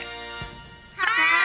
はい！